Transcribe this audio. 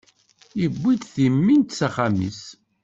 Iwwi-d timint s axxam-is.